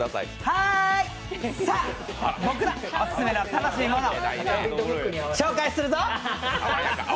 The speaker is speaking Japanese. はーい、僕のオススメの楽しいもの、紹介するぞっ！